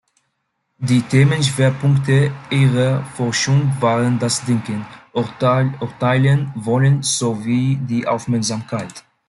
Die Themenschwerpunkte ihrer Forschung waren das Denken, Urteilen, Wollen sowie die Aufmerksamkeit.